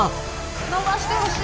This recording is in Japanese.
伸ばしてほしい。